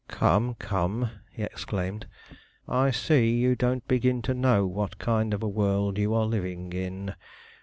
"Come, come," he exclaimed; "I see you don't begin to know what kind of a world you are living in.